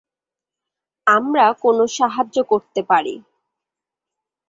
আমরা কোন সাহায্য করতে পারি?